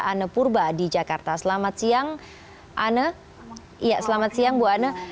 anepurba di jakarta selamat siang anepurba